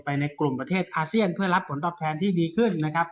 ในกลุ่มประเทศอาเซียนเพื่อรับผลตอบแทนที่ดีขึ้นนะครับ